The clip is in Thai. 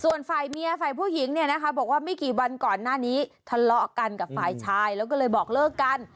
ส่วนฝ่ายเมียฝ่ายผู้หญิงเนี่ยนะคะบอกว่าไม่กี่วันก่อนหน้านี้ทะเลาะกันกับฝ่ายชายแล้วก็เลยบอกเลิกกัน